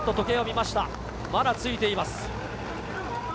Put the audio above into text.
まだついています。